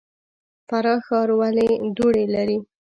فراه ښار ولې دوړې لري؟